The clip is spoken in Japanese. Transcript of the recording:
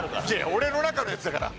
俺の中のやつだから。